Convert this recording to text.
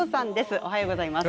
おはようございます。